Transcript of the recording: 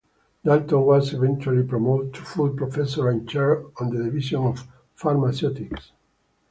Dalton was eventually promoted to full professor and Chair of the Division of Pharmaceutics.